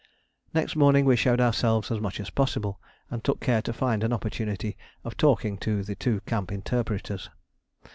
Next morning we showed ourselves as much as possible, and took care to find an opportunity of talking to the two camp interpreters.